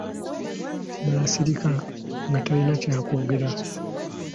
Nasirika nga talina kya kwogera.